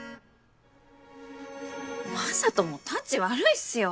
雅人もタチ悪いっすよ。